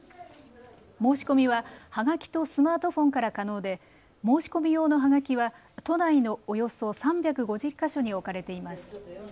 申し込みは、はがきとスマートフォンから可能で申し込み用のはがきは都内のおよそ３５０か所に置かれています。